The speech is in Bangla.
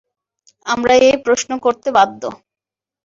আমরা এই প্রশ্ন করতে বাধ্য।